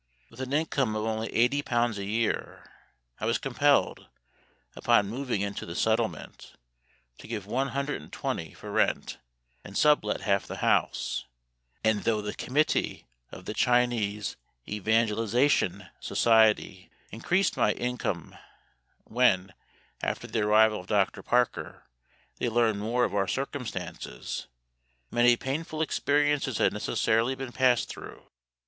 With an income of only eighty pounds a year, I was compelled, upon moving into the Settlement, to give one hundred and twenty for rent, and sublet half the house; and though the Committee of the Chinese Evangelisation Society increased my income when, after the arrival of Dr. Parker, they learned more of our circumstances, many painful experiences had necessarily been passed through.